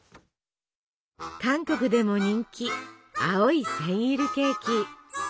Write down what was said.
韓国でも人気青いセンイルケーキ！